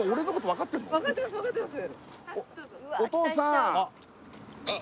分かってます分かってます